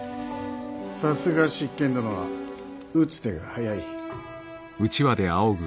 さすが執権殿は打つ手が早い。